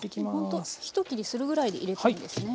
あっほんと一切りするぐらいで入れていいんですね。